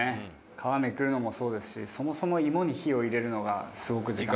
「皮めくるのもそうですしそもそも芋に火を入れるのが」